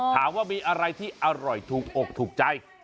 ถามว่ามีอะไรที่อร่อยถูกอกถูกใจ